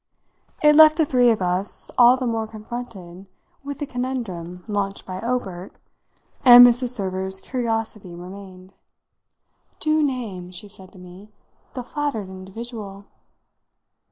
It left the three of us all the more confronted with the conundrum launched by Obert, and Mrs. Server's curiosity remained. "Do name," she said to me, "the flattered individual."